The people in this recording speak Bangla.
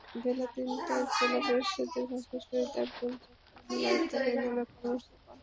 বেলা তিনটায় জেলা পরিষদের ভাষাশহীদ আবদুল জব্বার মিলনায়তনে নানা কর্মসূচি পালিত হয়।